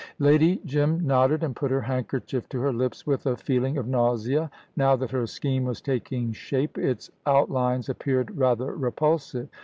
Lady Jim nodded, and put her handkerchief to her lips with a feeling of nausea. Now that her scheme was taking shape, its outlines appeared rather repulsive.